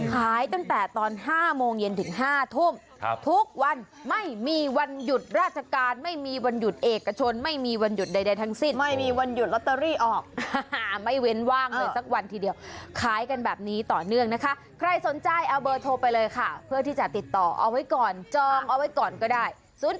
ขายตั้งแต่ตอน๕โมงเย็นถึง๕ทุ่มทุกวันไม่มีวันหยุดราชการไม่มีวันหยุดเอกชนไม่มีวันหยุดใดทั้งสิ้นไม่มีวันหยุดลอตเตอรี่ออกไม่เว้นว่างเลยสักวันทีเดียวขายกันแบบนี้ต่อเนื่องนะคะใครสนใจเอาเบอร์โทรไปเลยค่ะเพื่อที่จะติดต่อเอาไว้ก่อนจองเอาไว้ก่อนก็ได้